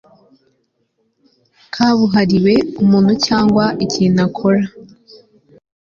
kabuhariwe umuntu cyangwa ikintu gikora